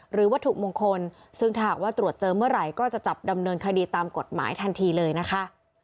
วัตถุมงคลซึ่งถ้าหากว่าตรวจเจอเมื่อไหร่ก็จะจับดำเนินคดีตามกฎหมายทันทีเลยนะคะ